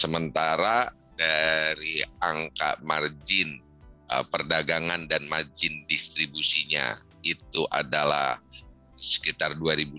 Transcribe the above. sementara dari angka margin perdagangan dan margin distribusinya itu adalah sekitar dua ratus